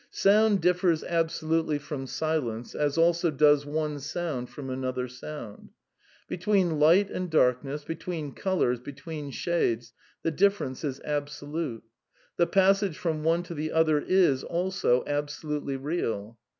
" Sound differs absolutely from silence, as also does one sound from another sound. Between light and darkness, between col ours, between shades, the difference is absolute. The passage from one to the other is, also, absolutely real.